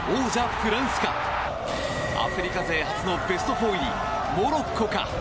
フランスかアフリカ勢初のベスト４入りモロッコか。